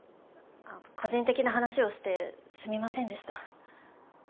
個人的な話をしてすみませんでした。